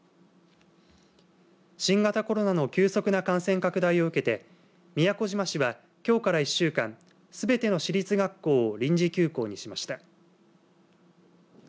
新型コロナの急速な感染拡大を受けて宮古島市は、きょうから１週間すべての市立学校を臨時休校にしました。